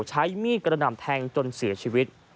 ใช้มีดกระหน่ำแทงจนเสียชีวิต